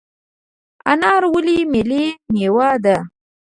انار ولې ملي میوه ده؟